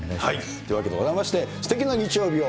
というわけでございまして、すてきな日曜日を。